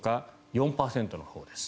４％のほうです。